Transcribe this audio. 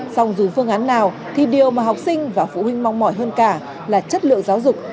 song dù phương án nào thì điều mà học sinh và phụ huynh mong mỏi hơn cả là chất lượng giáo dục